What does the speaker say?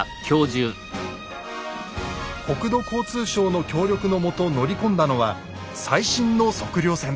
国土交通省の協力のもと乗り込んだのは最新の測量船。